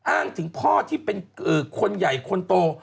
อ้างถึงพ่อที่เป็นคนใหญ่คนโต